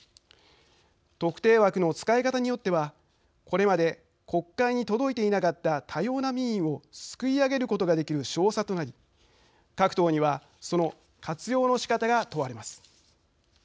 特定枠の使い方によってはこれまで国会に届いていなかった多様な民意をすくい上げることができる証左となり、各党にはその活用のしかたが問われます。